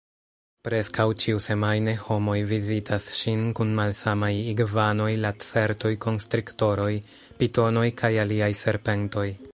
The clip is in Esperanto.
Preskaŭ ĉiusemajne homoj vizitas ŝin kun malsanaj igvanoj, lacertoj, konstriktoroj, pitonoj kaj aliaj serpentoj.